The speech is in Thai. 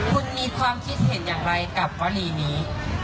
คุณมีความคิดเห็นอย่างไรกับกรณีนี้